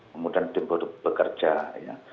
kemudian tim perlu bekerja ya